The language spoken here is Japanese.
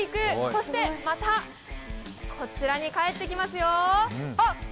そしてまた、こちらに帰ってきますよ。